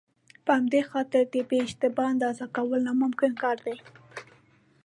په همدې خاطر د بې اشتباه اندازه کول ناممکن کار دی.